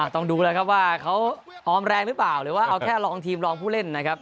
ต้องดูแล้วครับว่าเขาออมแรงหรือเปล่าหรือว่าเอาแค่รองทีมรองผู้เล่นนะครับ